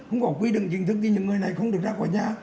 không có quy định chính thức thì những người này không được ra khỏi nhà